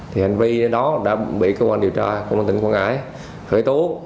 thì hành vi đó đã bị cơ quan điều tra công an tỉnh quảng ngãi khởi tố